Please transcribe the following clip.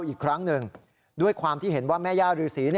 อีกครั้งหนึ่งด้วยความที่เห็นว่าแม่ย่ารือศรี